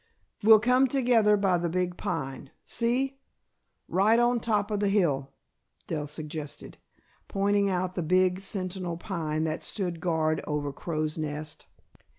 "We'll come together by the big pine see, right on top of the hill," Dell suggested, pointing out the big sentinel pine that stood guard over Crow's Nest.